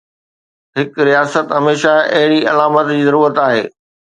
هڪ رياست هميشه اهڙي علامت جي ضرورت آهي.